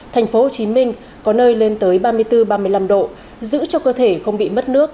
thành phố hồ chí minh có nơi lên tới ba mươi bốn ba mươi năm độ giữ cho cơ thể không bị mất nước